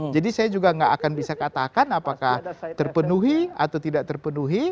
jadi saya juga tidak akan bisa katakan apakah terpenuhi atau tidak terpenuhi